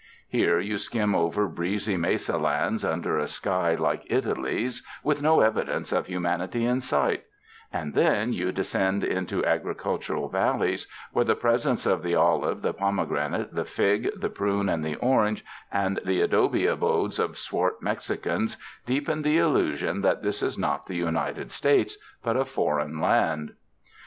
Here you skim over breezy mesa lands un der a sky like Italy's, with no evidence of humanity in sight ; and then you descend into agricultural val leys where the presence of the olive, the pomegran ate, the fig, the prune and the orange, and the adobe abodes of swart Mexicans, deepen the illusion tliat this is not the United States, but a foreign land.